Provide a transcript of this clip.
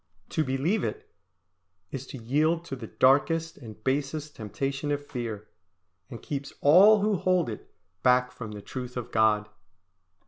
To believe it is to yield to the darkest and basest temptation of fear, and keeps all who hold it back from the truth of God.